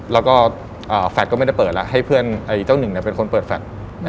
แล้วก็แฟลตก็ไม่ได้เปิดแล้วให้เพื่อนเจ้าหนึ่งเป็นคนเปิดแฟลต